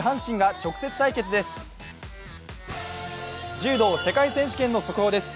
柔道世界選手権の速報です。